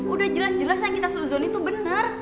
udah jelas jelas yang kita seuzon itu bener